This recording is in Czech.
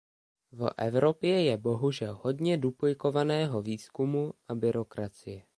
V Evropě je bohužel hodně duplikovaného výzkumu a byrokracie.